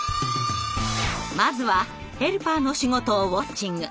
まずはヘルパーの仕事をウォッチング。